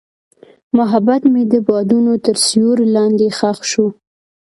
محبت مې د بادونو تر سیوري لاندې ښخ شو.